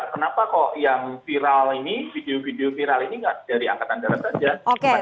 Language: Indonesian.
kenapa kok yang viral ini video video viral ini dari angkatan darat saja